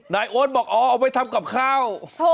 โอ๊ตบอกอ๋อเอาไว้ทำกับข้าว